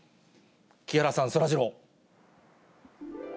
木原さん、そらジロー。